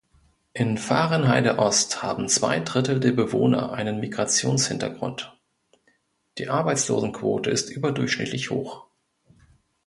In Vahrenheide-Ost haben zwei Drittel der Bewohner einen Migrationshintergrund, die Arbeitslosenquote ist überdurchschnittlich hoch.